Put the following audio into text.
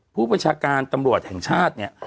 ผู้บัญชาการตำรวจแห่งชาติเนี่ย